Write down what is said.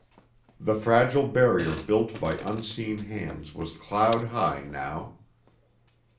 The fragile barrier built by unseen hands was cloud high now.